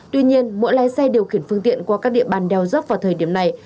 tuy nhiên mỗi lái xe điều khiển phương tiện qua các địa bàn đèo dốc vào thời điểm này